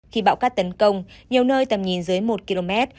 khi bão cắt tấn công nhiều nơi tầm nhìn dưới một km